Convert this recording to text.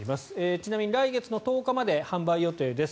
ちなみに来月１０日まで販売予定です。